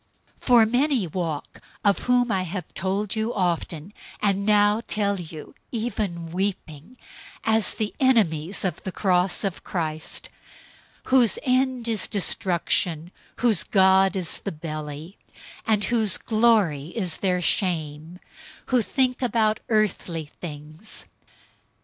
003:018 For many walk, of whom I told you often, and now tell you even weeping, as the enemies of the cross of Christ, 003:019 whose end is destruction, whose god is the belly, and whose glory is in their shame, who think about earthly things.